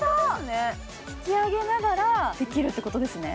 引き上げながらできるってことですね。